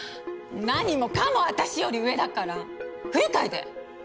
何もかも私より上だから不愉快で！